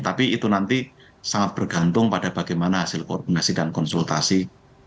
tapi itu nanti sangat bergantung pada bagaimana hasil koordinasi dan konsultasi